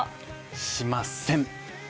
しません！